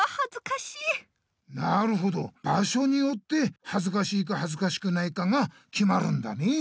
なるほど場所によってはずかしいかはずかしくないかがきまるんだね。